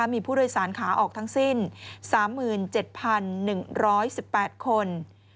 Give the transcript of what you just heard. มีผู้โดยสารขาออกทั้งสิ้น๓๗๑๑๘คน